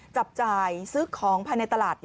จับจ่ายซื้อของภายในตลาด